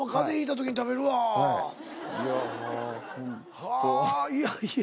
はあいやいや。